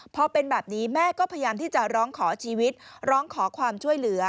พอเป็นแบบนี้แม่ก็พยายามที่จะร้องขอชีวิตร้องขอความช่วยเหลือ